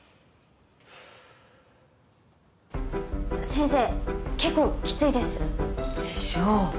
先生結構きついです。でしょう？